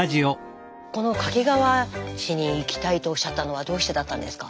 この掛川市に行きたいとおっしゃったのはどうしてだったんですか？